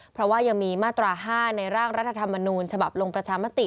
เพราะว่ายังมีมาตรา๕ในร่างรัฐธรรมนูญฉบับลงประชามติ